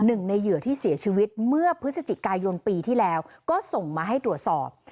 หนึ่งในเหยื่อที่เสียชีวิตเมื่อพฤศจิกายนปีที่แล้วก็ส่งมาให้ตรวจสอบ